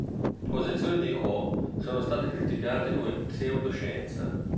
Le posizioni di Ho sono state criticate come pseudoscienza.